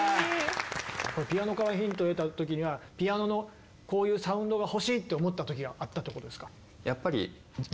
ピアノからヒントを得た時にはピアノのこういうサウンドが欲しいって思った時があったってことですか？